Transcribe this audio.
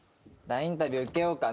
インタビュー受けようかね。